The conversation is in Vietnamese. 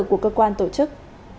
của cơ quan tổ chức